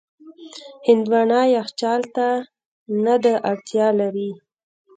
هندوانه یخچال ته نه ده اړتیا لري.